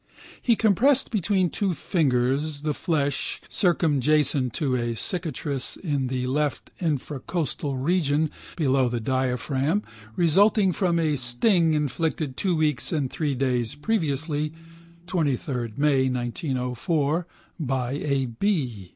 He compressed between 2 fingers the flesh circumjacent to a cicatrice in the left infracostal region below the diaphragm resulting from a sting inflicted 2 weeks and 3 days previously (23 May 1904) by a bee.